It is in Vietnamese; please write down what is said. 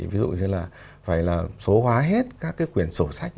ví dụ như là phải là số hóa hết các cái quyền sổ sách